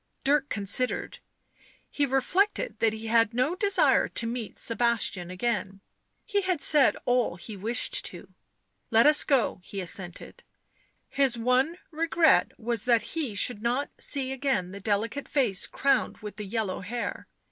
Dirk considered ; he reflected that he had no desire to meet Sebastian again ; he had said all he wished to. " Let us go," he assented ; his one regret was that he should not see again the delicate face crowned with the yellow hair.